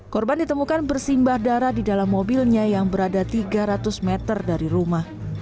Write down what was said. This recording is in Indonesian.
korban ditemukan bersimbah darah di dalam mobilnya yang berada tiga ratus meter dari rumah